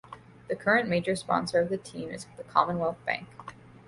The current major sponsor of the team is the Commonwealth Bank.